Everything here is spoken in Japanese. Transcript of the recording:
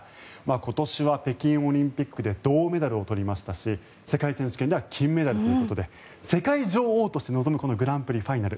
今年は北京オリンピックで銅メダルを取りましたし世界選手権では金メダルということで世界女王として臨むこのグランプリファイナル。